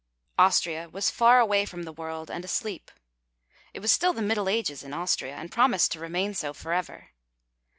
Austria was far away from the world, and asleep; it was still the Middle Ages in Austria, and promised to remain so forever.